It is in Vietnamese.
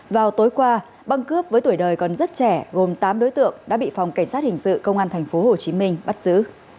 vào tối qua băng cướp với tuổi đời còn rất trẻ gồm tám đối tượng đã bị phòng cảnh sát hình sự công an tp hcm bắt giữ